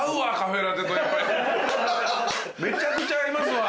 めちゃくちゃ合いますわ。